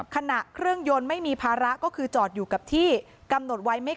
ขณะเครื่องยนต์ไม่มีภาระก็คือจอดอยู่กับที่กำหนดไว้ไม่